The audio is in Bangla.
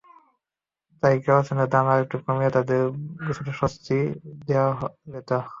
তাই কেরোসিনের দাম আরেকটু কমিয়ে তাদের কিছুটা বাড়তি স্বস্তি দেওয়া যেত।